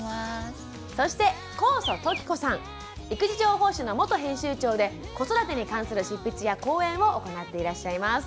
そして育児情報誌の元編集長で子育てに関する執筆や講演を行っていらっしゃいます。